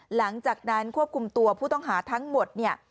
หลังจากนั้นควบคุมตัวผู้ต้องหาทั้งหมดเนี่ย